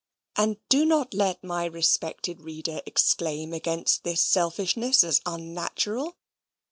And do not let my respected reader exclaim against this selfishness as unnatural.